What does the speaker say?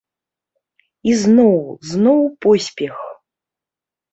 І зноў, зноў поспех.